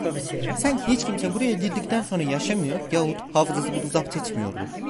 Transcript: Sanki hiç kimse buraya girdikten sonra yaşamıyor, yahut hafızası bunu zapt etmiyordu.